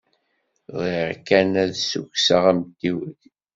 Bɣiɣ kan ad d-ssukkseɣ amtiweg.